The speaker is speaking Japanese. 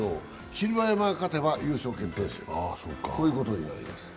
霧馬山が勝てば優勝決定戦ということになります。